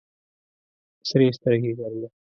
سرې سترګې ګرځه.